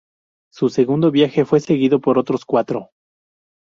Su segundo viaje fue seguido por otros cuatro.